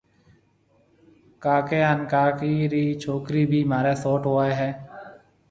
ڪاڪيَ هانَ ڪاڪِي رِي ڇوڪرِي ڀِي مهارِي سئوٽ هوئي هيَ